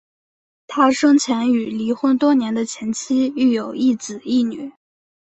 他生前与离婚多年的前妻育有一子一女。